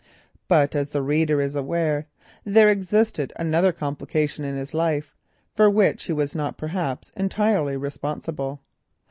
But as the reader is aware, there existed another complication in his life for which he was not perhaps entirely responsible.